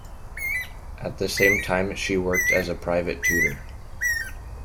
At the same time she worked as a private tutor.